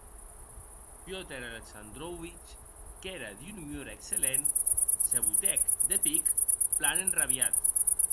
Piotr Aleksandrovich, qu'ère d'un umor excellent, se botèc de pic plan enrabiat.